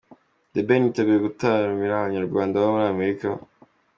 The Ben yiteguye gutaramira abanyarwanda baba muri Amerika.